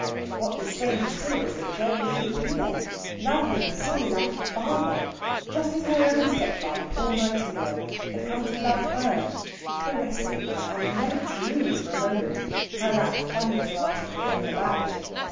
What was stranger still was that Gerry should be there, loving Sally like a father just as her own stepfather Paul Nightingale had come to love her caressing her, and never dreaming for a moment how that funny little article came about.